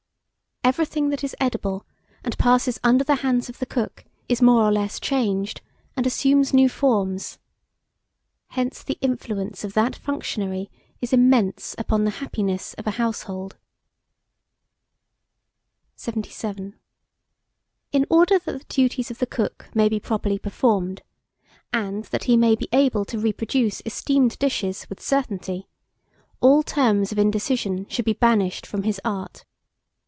Everything that is edible, and passes under the hands of the cook, is more or less changed, and assumes new forms. Hence the influence of that functionary is immense upon the happiness of a household. 77. In order that the duties of the Cook may be properly performed, and that he may be able to reproduce esteemed dishes with certainty, all terms of indecision should be banished from his art.